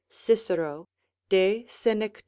Cicero, De Senect.